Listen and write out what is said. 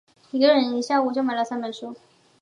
一个下午就买了三本书